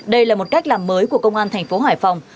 đây là một cách làm mới của công an thành phố hải phòng